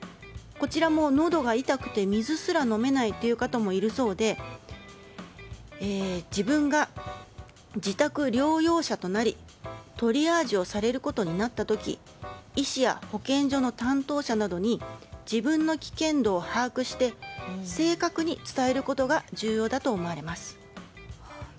こちらも、のどが痛くて水すら飲めないという方もいるそうで自分が自宅療養者となりトリアージをされることになった時医師や保健所の担当者などに自分の危険度を把握して正確に伝えることが重要だと思われます。